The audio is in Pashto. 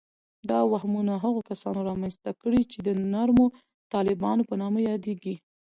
دا وهمونه هغو کسانو رامنځته کړي چې د نرمو طالبانو په نامه یادیږي